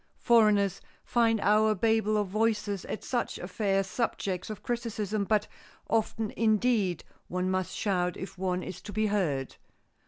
Foreigners find our babel of voices at such affairs subjects of criticism but often indeed one must shout if one is to be heard.